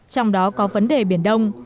trong đó có vấn đề biển đông